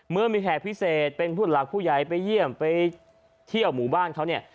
เมื่อมีแขกพิเศษเป็นผู้หลักผู้ใหญ่ไปเยี่ยมไปเที่ยวหมู่บ้านเขาเนี่ย